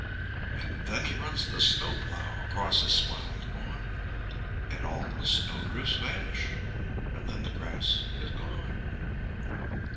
And then he runs the snow plough Across his smiling lawn, And all the snow drifts vanish And then the grass is gone.